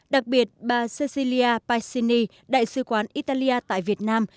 đặc biệt bà cecilia passini đại sứ quán italia tại việt nam